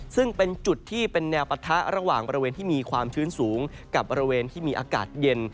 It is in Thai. ซึ่งเป็นจุดที่เป็นแนวปะทะระหว่างบริเวณที่มีความชื้นสูงกับบริเวณที่มีอากาศเย็น